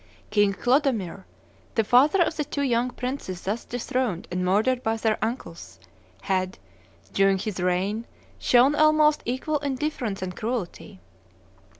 King Clodomir, the father of the two young princes thus dethroned and murdered by their uncles, had, during his reign, shown almost equal indifference and cruelty.